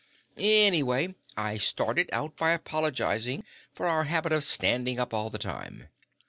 "Anyway, I started out by apologizing for our habit of standing up all the time.